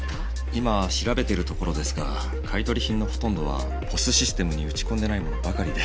今調べているところですが買い取り品のほとんどはＰＯＳシステムに打ち込んでないものばかりで。